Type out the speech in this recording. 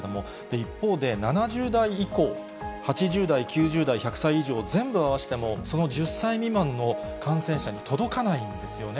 一方で、７０代以降、８０代、９０代、１００歳以上、全部合わせてもその１０歳未満の感染者に届かないんですよね。